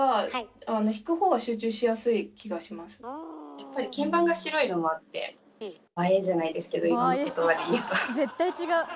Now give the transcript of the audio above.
やっぱり鍵盤が白いのもあって「映え」じゃないですけど今の言葉でいうと。